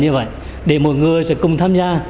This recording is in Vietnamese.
như vậy để mọi người sẽ cùng tham gia